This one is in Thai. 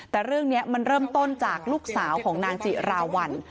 แต่เรื่องนี้มันเริ่มต้นจากลูกสาวของนางจิราวัล